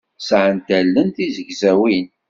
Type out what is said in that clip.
Sɛant allen d tizegzawin.